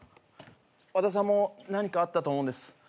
和田さんも何かあったと思うんです。